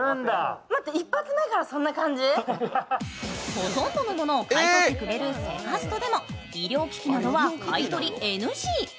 ほとんどのものを買い取ってくれるセカストでも、医療危機などは買い取りＮＧ。